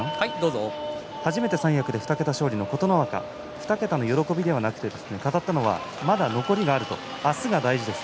初めて三役で２桁勝利の琴ノ若ですが２桁への喜びではなくてまだ残りがある、明日が大事です。